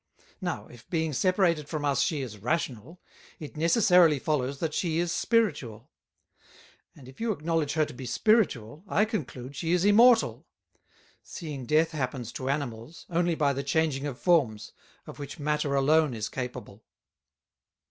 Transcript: Now if being separated from us she is Rational, it necessarily follows that she is Spiritual; and if you acknowledge her to be Spiritual, I conclude she is immortal; seeing Death happens to Animals, only by the changing of Forms, of which Matter alone is capable."